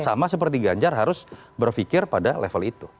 sama seperti ganjar harus berpikir pada level itu